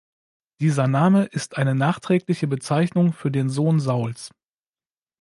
Dieser Name ist eine nachträgliche Bezeichnung für den Sohn Sauls.